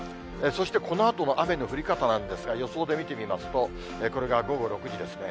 そしてこのあとの雨の降り方なんですが、予想で見てみますと、これが午後６時ですね。